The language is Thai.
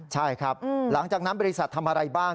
ใช่ครับหลังจากนั้นบริษัททำอะไรบ้าง